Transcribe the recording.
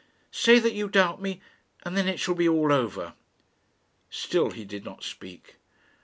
Say that you doubt me, and then it shall be all over." Still he did not speak.